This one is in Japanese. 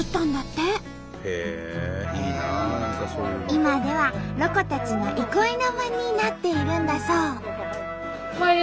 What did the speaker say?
今ではロコたちの憩いの場になっているんだそう。